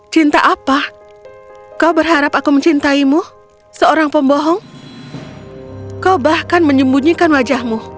cinta apa kau berharap aku mencintaimu seorang pembohong kau bahkan menyembunyikan wajahmu